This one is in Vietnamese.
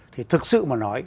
thì thực sự mà nói